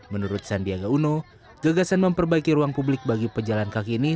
menurut sandiaga uno gagasan memperbaiki ruang publik bagi pejalan kaki ini